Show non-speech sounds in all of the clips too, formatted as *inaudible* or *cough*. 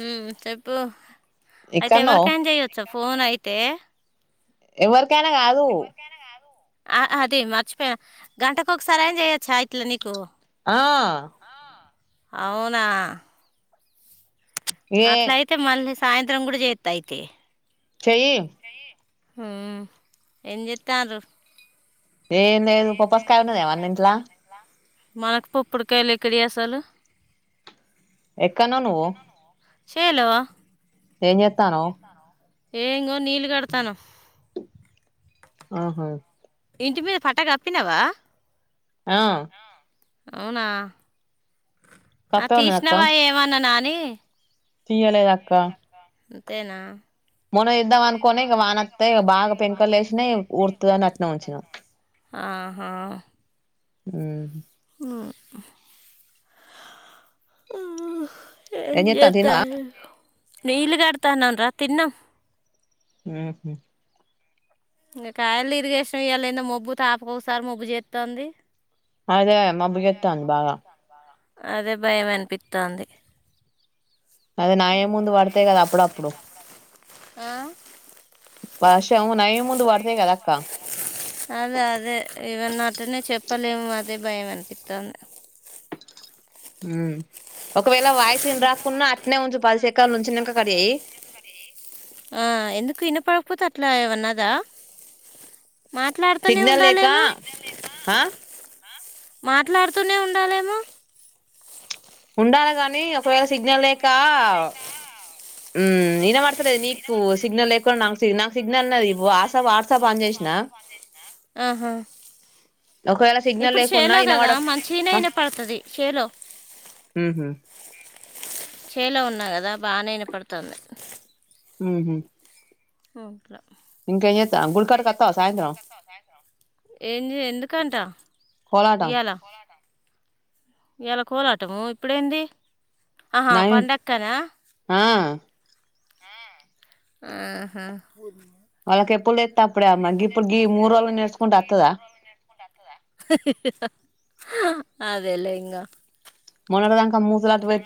ఉ చెప్పు అయితే ఎక్కన్నో ఎవరికైన్ చెయ్యొచ్చ ఫో ఫోన్ అయితే ఎవరికైనా కాదు ఆ అది మర్చిపోయా గంటకు ఒకసారి అయినా చెయొచ్చా ఇట్లా నీకు. ఆ అవునా ఏ అట్లా అయితే మళ్ళీ సాయంత్రం కూడా చేత్తా అయితే. చెయ్యి హు ఎమ్ చేత్తర్ను ఏన్ లేదు పపస్ కాయ ఉన్నాదేవన్న ఇంట్లా మాక్ పప్పుడుకాయలు ఎక్కడివి అసలు ఎక్కనో నువ్వు చేయలేవా ఎమ్ జెత్తన్నావ్ యే ఇంగో నీళ్లు కడతాను ఆహా ఇంటి మీద పట్ట గప్పినవా ఆ అవునా ఆ కప్పే తీసినవా ఏమన్నానాని తీయ్యలేదక్క అంతేనా మన ఇద్దాం అనుకోని ఇంగ వానత్తే ఇగ బాగా పెంకలు లేసినా ఊరుతుందిని అట్నే ఉంచినాం ఆహా ఉ ఉమ్ ఏం చేత్తానవ్ తిన్నవా జేత్తన్నాన్రు నీళ్లు గడతన్ననరా తిన్న ఊహు ఇంకా కాయలు ఇరిగేషన్ ఇయ్యాలేందో మొబ్బు తాపకసారు మొబ్బు జేత్తంది ది అదే మబ్బు జేత్తంది బాగా అదే భయమనిపిత్తంది అదే నా ఏ ముందు వడతయి గదా అప్పుడప్పుడు వర్షంనయి ముందు వడతయిగదక్క అదదే ఇవన్న అటునే చెప్పలేము అదే భయం అనిపిస్తుంది ఒకవేళ వాయిసినిరాకున్నా అట్నే ఉంచు పది సెకన్లున్చింక కడ్ జెయి ఆ ఎందుకు ఇనపడకపోత అట్లా వన్నాదా మాట్లాడుతూనే సిగ్నల్ లేక ఉండాలేమో ఆ మాట్లాడుతూనే ఉండాలేమో ఉండాలి గానీ ఒకవేళ సిగ్నల్ లేక ఉ ఇనపడతలేద నీకు సిగ్నల్ లేకు నా సి నా సిగ్నల్ న ఆహా ఒకవేళ సిగ్నల్ ఇప్పుడు లేకున్నా సేలో కదా ఇనబడ మంచిగనే ఇనపడతది సేలో ఊహు చేలో ఉన్నా గదా బానే ఇనపడతంది ఊహు అవుట్లా ఏం జేత్తా గుంటగారాగాక్ ఏమ్ జే ఎందుకంట కోలాటం ఇయ్యాల ఎల కోలాటము ఇప్పుడేంది ఆహా నయం పండక్కనా ఆ ఆహా అప్పుా వాళ్ళకి ఎప్పుడు తెత్తే అప్పుడే అమ్మ గిప్పుడు గీ అప్పుడ మూడు మ రోజులు నేర్చుకుంటే వత్తదా ఇప్పుడురళ నస్కుంట అతుదా అదేలే ఇంగ మొన్నటిదంకా ముసులట పె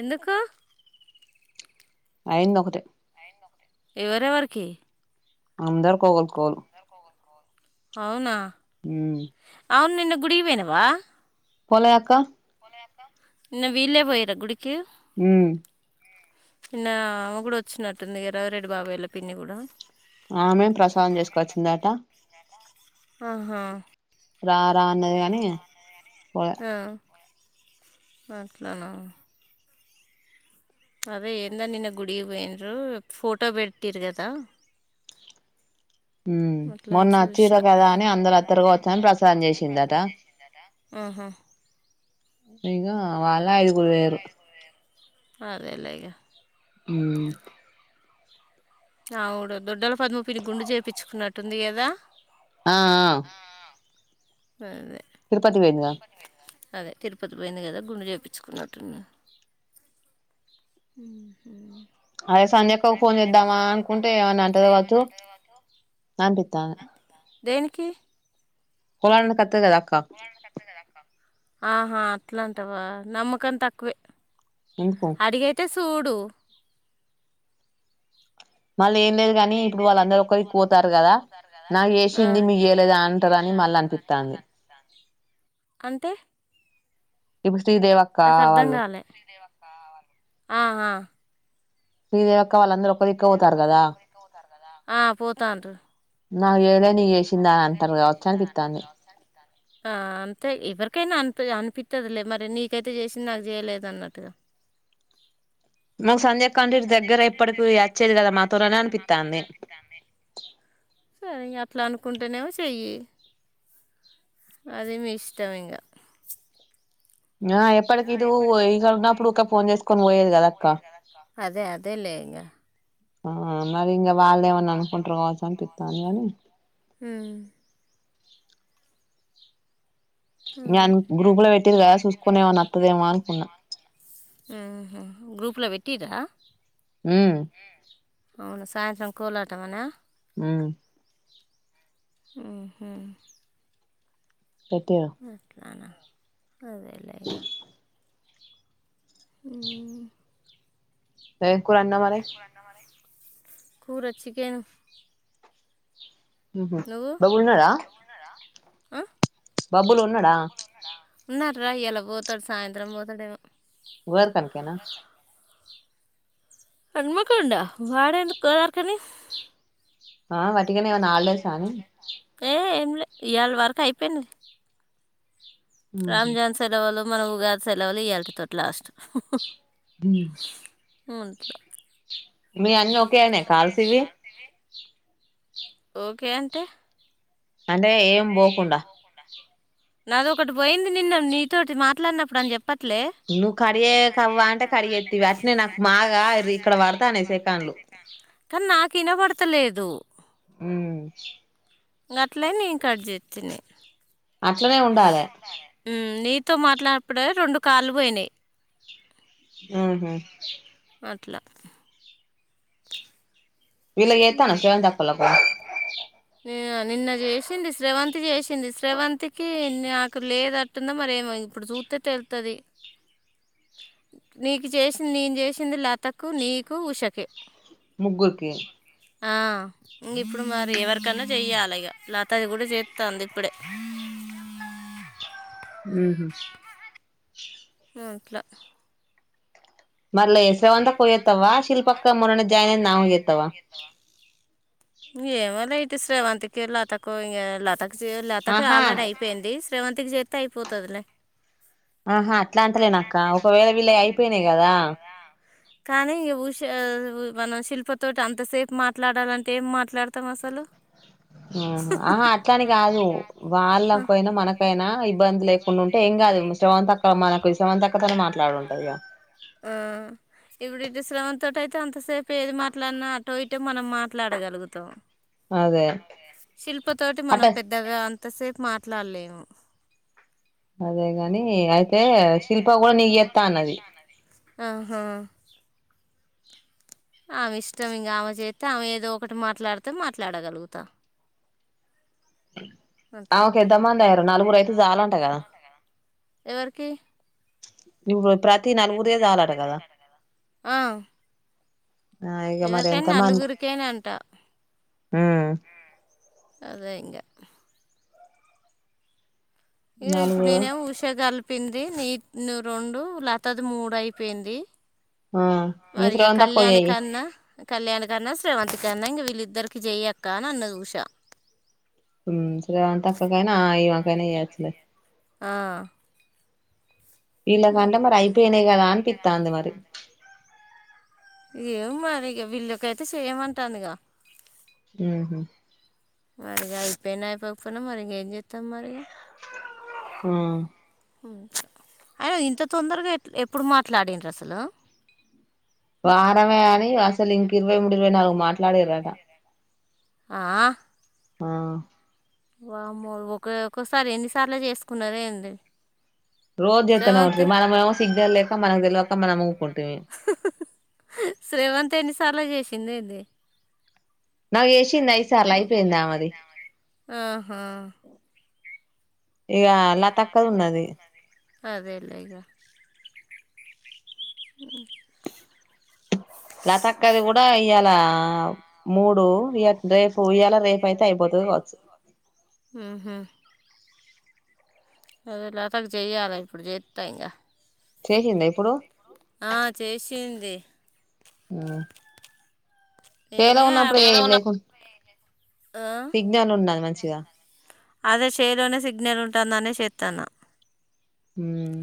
ఎందుకు అయింద ఒకటే ఎవరెవరికి అఅందర్ కోగలు కోలు అవునా అవునిన్న గుడికిపోయినవా పోలగాక న్న వీళ్ళే పోయిరా గుడికి ఉమ్ నిన్న అమె గూడా వచ్చినట్టుంది ఎరవిరెడ్డి బాబయళ పిన్ని కూడా ఆమె ప్రసాదం జేసుకొచ్చిందట ఆహా రా రా అన్నది గాని ఆ అట్లన అదే ఏంద నిన్న గుడికి బోయిన్రు ఫోటో పెట్టిర్గదా ఊ మొన్న ఒచ్చిరు చూసిన గదా అని అందరు ఒత్తరు గావచ్చ అని ప్రసాన్ చేసిందట. అహా ఇగ వాళ్ళే ఐదుగురు వొయిరు అదేలేగ ఊ అవుడు దొడ్డల పద్మ పిన్ని గుండు చేపిచ్చుకున్నట్టుంది గదా ఆ ఆ అదే తిరుపతి వొయిందిగా అదే తిరుపతి పోయింది గదా గుండు చేపిచ్చుకున్నట్టుంది ఊహూ అదే సంజ్యక్క ఫోన్ జేద్దామా అనుకుంటే ఏమన్నా అంటది ఆవచ్చు నాంపిత్తా దేనికి కొలా *unintelligible* క ఆహా అట్లంటవా నమక్కం తక్కువే ఎందుకు అడిగైతే సూడు మళ్ళ ఏం లేదు గానీ ఇప్పుడు వాళ్ళందరు ఒక్కదిక్ ఓతారు గదా, నాకు ఆ ఏసింది మీకు జేయలేదా అంటరని మళ్ళ. అంటే ఇపుడ్ శ్రీదేవక్కా నాకు అర్థం ఆళ్ళు కాలే ఆ హా శ్రీదేవక్క వాళ్ళందరు ఆ పోతాండ్రు నాగ్ ఏయలే నీ ఏసిందా అంటరు గావచ్చు అనిపిత్తాంది ఆ అంతే ఎవరికైనా అనిపి అనిపిత్తదిలే మరి నీకైతే చేసింది నాకు చేయలేదు అన్నట్టుగా. మాకు సంధ్యక్కా అంటే ఇట్ దగ్గర ఇప్పటికి అచ్చేది గదా మాతోనే అనిపిత్తాంది. సరే ఇంగ అట్లా అనుకుంటేనేమో సెయ్యి అది మీ ఇష్టం ఇంగ ఆ ఇప్పడికిదూ ఇకడ ఉన్నప్పుడు ఊక ఫోన్ చేసుకొని వోయేది గద అక్క. అదే అదేలే ఇంగ ఆ మరి ఇంగ వాళ్ళేమన్నా అనుకుంటరు గావచ్చు అనిపిత్తాంది గానీ. ఊ ఊ నేను గ్రూప్ లో పెట్టిరు కదా చూసుకొని ఏమన్నా వత్తదేమో అనుకున్నా ఊహు గ్రూప్లో వెట్టిర్రా ఊమ్ అవున సాయంత్రం కోలాటం అనా ఉ ఊహు పెట్టిగ రానా అదే ఊ ఏ కూర ఒన్నవ్ మరి కూర చికెన్ *unintelligible* అ బబ్బులు ఉన్నడా రా ఇయ్యల పోతాడు సాయంత్రం పోతాడేమో వల్ పక్కన హన్మకొండ వాడెందుక్ కాదార్ కని ఆ వట్టిగనే ఏవన్న హాల్డేసా అని ఏ ఏంలే ఇయళ వర్క్ అయిపోయింది రాంజాన్ సెలవులు మన ఉగాది సెలవులు ఇయటి తోటి లాస్ట్ ఊ ఊ మీ అన్న ఒకే అయినయ కాల్స్ ఇవి ఓకే అంటే అంటే ఏం బోకుండా నాదొటి పోయింది నిన్న నీతోటి మాట్లాడినప్పుడు అని చెప్పలె నువ్వు కడిగే కవ్వ అంటే కడిగెత్తివి అట్నే నాకు బాగా ఇక్కడ పడతాండయ్ సెకండ్లు ఉ కానీ నాకు వినబడతలేదు ఉమ్మ్ గట్ల నేన్ కట్ చేతిని అట్లనే ఉండాలే తో మాట్లానడప్పుడే రెండు కార్లు పోయినాయి ఊఉ అట్ల వీళ్లకు చెత్తండవా స్రవంతి అక్కోళ్లకు అ నిన్న చేసింది శ్రవంతి చేసింది శ్రవంతికి నాకు లేదట్టుంద మరేమ అప్పుడు సూస్తే తెలుత్తది నీకు చేసింది నేను చేసింది లతకు నీకు ఉషకే ముగ్గురుకి ఆ ఇంక ఇప్పుడు మరి ఎవరికన్నా చెయ్యాలి ఇక లతాది కూడా చేస్తాంది ఇప్పుడే *unintelligible* ఊఉ ఊ అట్ల మళ్ళ ఎసరవ అంతాకుయతవ శిల్పక్క మరణ జాయిన్ అయింది ఆమెకు చెత్తవా ఇంగ ఎవరైతే శ్రవంతికి లతకో ఇంగ లత లతకు ఆహా ఆల్రెడీ అయిపోయింది శ్రవంతికి చె త్తే అయిపోతదిలే ఆహా అట్లా అంటలేనక్క ఒకవేళ వీళవి అయిపోయినాయి కదా కానీ ఉష మనం శిల్పతోటి అంతసేపు మాట్లాడాలంటే ఏం మాట్లాడతాం అసలు ఆ ఆహా అట్లని కాదు వాళ్ళకు అయినా మనకైనా ఇబ్బంది లేకుండా ఉంటే ఏం కాదు ఏం శ్రవంతి అక్క కాదుక్క శ్రవంతి మనకు అక్కతోనే చక్క మాట్లాడుంటదిగా మాట్లాడుండి ఇంగ ఇప్పుడు ఇటు శ్రవంతి తోటి అయితే అంతసేపు ఏది మాట్లాడినా అటో ఇటో మనం మాట్లాడగలుగుతాం అదే శిల్ప తోటి అట్ట మనం పెద్దగా అం ఎంతసేపు మాట్లాడలేము అదేగాని ఆ అయితే శిల్ప కూడా నీకు చెప్తా అన్నది ఆహా ఆమె ఇష్టం ఇంకా ఆమె చేస్త ఆమె ఏదో ఒకటి మాట్లాడితే మాట్లాడగలుగుతా ఆమెకేంత మంది అయిరో నలుగురు అయితే చాలంట కదా ఎవరికి ఇప్పుడు ప్రతి నలుగురిదే చాలట కదా ఆ ఆ ఇగ మరెంత ఎవరికైనా మంద్ నలుగురికైనా అంట ఊ అదే ఇంగ ఏయ ఇప్పుడు నలుగురు నేనేమో ఉషగాలు ప్పింది నీటి రెండు లతది మూడు అయిపోయింది ఆ ఇగ మరీగా శ్రవంతి అక్కకు కళ్యాణి చెయ్యి కన్నా కళ్యాణ్ కన్నా శ్రేవంతి కన్నా ఇంగ వీళ్ళిద్దరికీ చెయ్యక్క అని అన్నది ఉషా ఒకనీ చేయొచ్చులే ఆ వీళ్ళకి అంటే మరి అయిపోయినాయి కదా అనిపితాంది మరి ఏం మరి ఇక వీళ్ళకైతే చెయమంటాంది ఇక ఉహుమ్ మరిగా అయిపోయినా పోకపోయినా మరి ఇగ ఏమ్ చేస్తామ్ మరి ఇగా ఆ అయిన ఇంత తొందరగా ఎట్ల్ ఎప్పుడు మాట్లాడిండ్రు అసలు వారమే అని ఇంగ అసలు ఇంక ఇరవై మూడు ఇరవై నాలుగు మాట్లాడారు అంటా ఆ మా వామ్మో ఒక ఒక్కసారి ఎన్నిసార్లు చేసుకు ఉన్నారే ఏంది రోజు చేస్తనే శ్రవంతి ఉంటఅది మనము ఏమో సిగ్నల్ లేక మనకు తెల్వక మనము ఊకుంట్ స్రవంతి ఎన్నిసార్లు చేసింది ఏంది నాకు చేసింది ఐదు సార్లు అయిపోయింది ఆమెది ఆహా ఇగా ఆ లత అక్కది ఉన్న అది అదే లే ఇగా ఉహు లత అక్కది గుడ్ కూడా ఇయాళ మూడు ఇయ రేపు ఇయాళ రేపు అయితే అయిపోతఅది కోవఅచ్చు ఉహు అదే లతకు చేయ్యాల ఇప్పుడు చేస్తా ఇంగా చేసిందా ఇప్పుడు ఆ చేసింది ఏదో నేనే ఉన్నప్పుడు అప్పుడు- చేలో చెయ్యి ఉన్న- లేకుం ఆ? సిగ్నల్ ఉన్నది మంచిగా అదే చేయలోనే సిగ్నల్ ఉంటుందనే చేతాన ఊమ్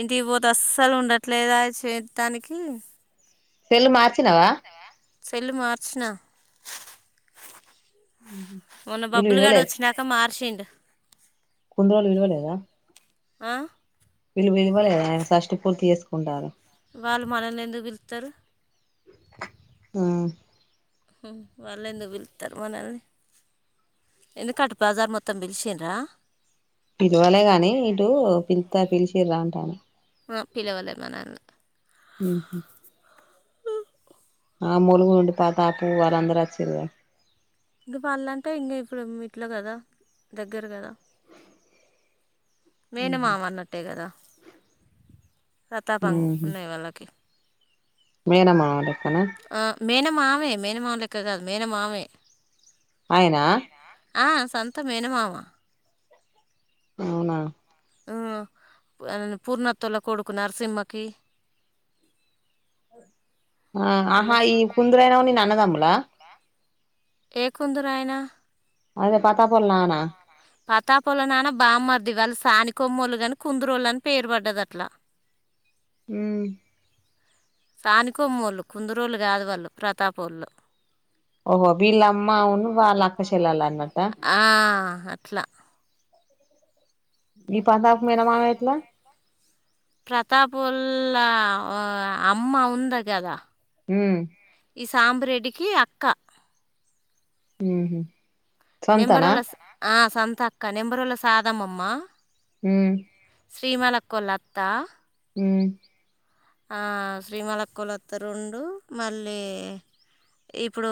ఇంటికి పోతే అస్సలు ఉండట్లేదు ఆ చేయటానికి సెల్లు మార్చినవా సెల్లు మార్చిన మొన్న వీళ్ళు బబ్బులుగాడ విలువలేదు వచ్చినాక మార్చిండు కొన్ని రోజులు విలువలేదా ఆ వీళ్లు పిలవలేదా షష్టి పూర్తి చేసుకుంటారు వాళ్ళు మనల్ని ఎందుకు పిలుతరు ఆ హు వాళ్ల ఎందుకు పిలుతరు మనల్ని ఎందుకట బజార్ మొత్తం పిలిచిండ్ర పిలవాలే కాగానీ ఇటు పిలుత పిలిచి రా అంటాను ఆ పిలవలేమనా ఊ ఆ ములుగు నుండి ప్రతాప్ వాళ్ళ అందరూ వచ్చిరూ కదా ఇంక వాళ్ళంటే ఇంక ఇప్పుడు ఇంట్లో కదా దగ్గర కదా మేనమామ అన్నట్టే గదా ప్రతాప్ అన్నయ్య వాళ్లకి మేనమామ లేక్కన ఆ, మేనమామే మేనమామ లెక్క కాదు మేనమామే ఆయనా ఆ సొంత మేనమావా అవునా ఆ పూర్ణ అత్త వాళ్ళ కొడుకున నరసింహకి ఆ ఆహా వీళ్ళకి ఈ కుందరాయనావుని అన్నదమ్ముల ఏ కుందరుయనా అదే ప్రతాపోల నాన్న ప్రతాపొల్ల నాన్న బామ్మర్ది వరుస సాని కొమ్మోలుగాని కుందరోళ్లు అని పేరు పడ్డది అట్లా హ్మ్ సనికోమ్మోళ్ళు కుందురోళ్ళలు గాదువాళ్ళు ప్రతాప వాళ్ళు ఓహో వీలామ్మ ను వాళలక్కచెల్లన్లు అంట ఆ అట్లా మీ ప్రతాప్ కు మేనమామ ఎట్లా ప్రతాప్ వాల్ళ అమ్మ ఉంన్నది కదా ఉ ఈ సాంబ్రెడ్డికి అక్క హుహు నెంబరుళ ఆ సంత అక్క నెంబరుళ సదఅమ్మమ్మ ఊ శ్రీమల అక్కకోళ్ల లత్తా ఉ శ్రీమల లకోళ్ల అత్త రెండు మళ్ళీ ఇప్పుడు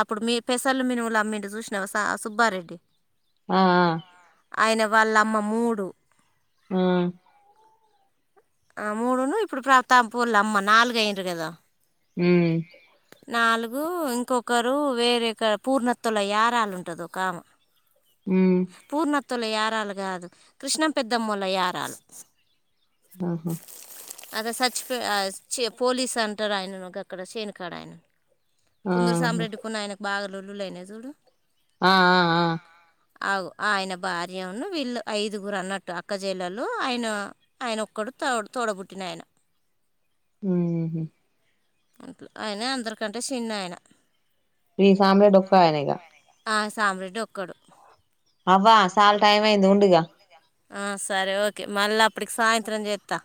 అప్పుడు మీ పెసర్లు మినుములు అమ్మిండు చూసినా సుబ్బారెడ్డి ఆ ఆ ఆయన వాళ్ళమ్మ మూడు ఉ మూడును ఇప్పుడు ప్రాతప్ పొల్ల అమ్మ నాలుగ అయిన కదా హు నాలుగు ఇంకొకరు వేరే పూర్ణనత్తలోలా ఏరాలు ఉంటుంది ఒక ఉమ్ పూర్ణత్ల ఏరాలు కాదు కృష్ణం పెద్దమ్మల యరాలు ఆహా అద సర్చ్ చి పోలీస్ అంటారు ఆయన అక్కడ చేనుకాడ ఆయన కుందరు ఆహా సామిరెడ్డి కొన్న ఆయనకు బాగా లొల్లి లైన్ చూడు ఆ ఆ ఆ ఆ ఆయన భార్యన్న వీళ్ళు ఐదుగురు అన్నట్టు అక్క చెల్లెలు ఆయన ఆయన ఒక్కడు తోడ పుట్నయన హ్మ్ ఆయన అందరికంటే చిన్న ఆయన ఈ సామి రెడ్డి ఒక్కయానే ఇగ ఆ సాబ్రాెడ్డి ఒక్కడు అవాస్ ఆ సరే ఓకే మళ్ళీ అప్పటికి సాయంత్రం చేస్తా